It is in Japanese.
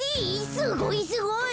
すごいすごい。